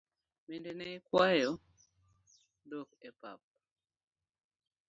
Bende ne ikwayo dhok e pap?